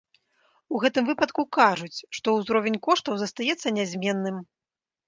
У гэтым выпадку кажуць, што ўзровень коштаў застаецца нязменным.